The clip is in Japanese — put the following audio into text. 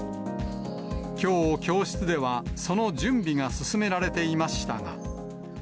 きょう教室では、その準備が進められていましたが。